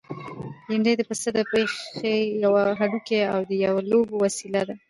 بېډۍ د پسه د پښې يو هډوکی او د لوبو وسيله ده.